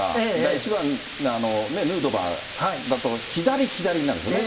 １番ヌートバーだと、左、左になるんですよね。